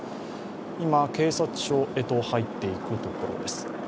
今、警察署へと入っていくところです。